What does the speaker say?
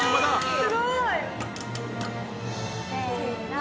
すごい！せの！